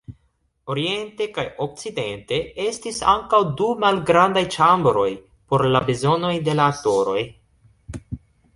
Oriente kaj okcidente estis ankaŭ du malgrandaj ĉambroj por la bezonoj de la aktoroj.